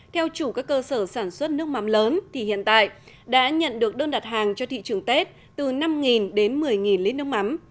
theo chủ các cơ sở sản xuất nước mắm lớn thì hiện tại đã nhận được đơn đặt hàng cho thị trường tết từ năm đến một mươi lít nước mắm